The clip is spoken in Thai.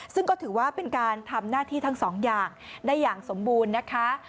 ซึ่งก็ถือว่าเป็นการทำหน้าที่ทั้งสองอย่างได้อย่างสมบูรณ์นะคะ